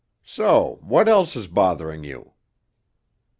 So what else is bothering you?"